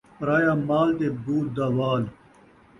پرایا مال تے بود دا وال